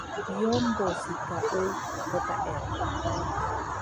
Dion Boucicault, Jr.